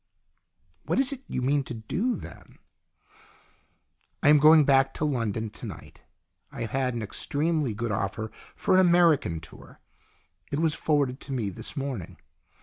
" What is it you mean to do, then ?"" I am going back to London to night. I have had an extremely good offer for an American tour. It was forwarded to me this morning.